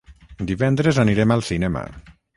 Divendres anirem al cinema.